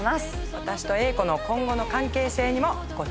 私と英子の今後の関係性にもご注目を。